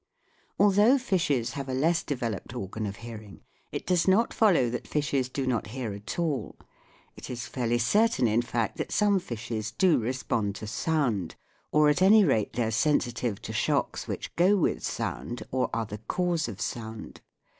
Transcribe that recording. Although fishes have a less developed organ of hearing, it does not follow that fishes do not hear at all. It is fairly certain, in fact, that some fishes do respond to sound, or at any rate they are sen sitive to shocks which go with sound or are the cause of sound.